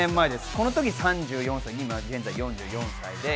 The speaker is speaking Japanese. この時３４歳、現在４４歳。